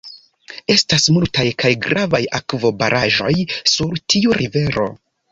Estas multaj kaj gravaj akvobaraĵoj sur tiu rivero.